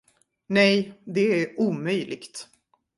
Nej, det är omöjligt.